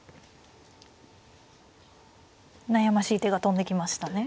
悩ましい手が飛んできましたね。